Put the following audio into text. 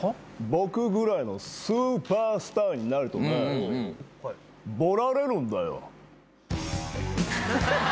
僕ぐらいのスーパースターになるとねぼられるんだよ。